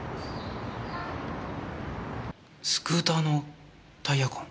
スクーターのタイヤ痕。